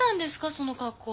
その格好。